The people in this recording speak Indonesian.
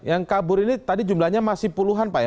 yang kabur ini tadi jumlahnya masih puluhan pak ya